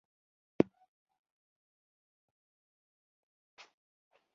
دغه وده محدوده وه او دوامداره پاتې نه شوه